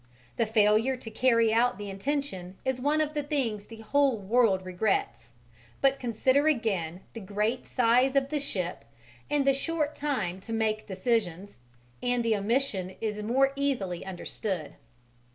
The failure to carry out the intention is one of the things the whole world regrets, but consider again the great size of the ship and the short time to make decisions, and the omission is more easily understood.